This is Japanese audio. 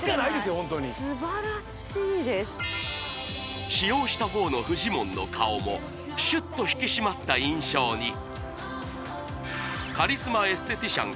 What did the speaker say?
ホントに素晴らしいです使用した方のフジモンの顔もシュッと引き締まった印象にカリスマエステティシャン